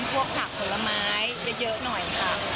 พวกผักผลไม้เยอะหน่อยค่ะ